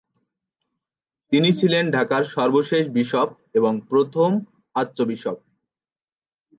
তিনি ছিলেন ঢাকার সর্বশেষ বিশপ এবং প্রথম আর্চবিশপ।